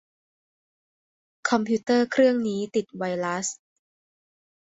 คอมพิวเตอร์เครื่องนี้ติดไวรัส